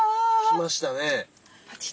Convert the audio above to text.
きましたね。